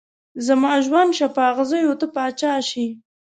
زما ژوند شه په اغزيو ته پاچا شې